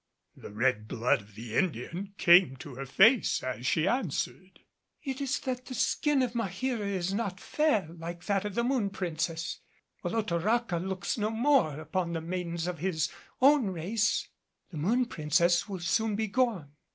The red blood of the Indian came to her face as she answered, "It is that the skin of Maheera is not fair like that of the Moon Princess. Olotoraca looks no more upon the maidens of his own race." "The Moon Princess will soon be gone."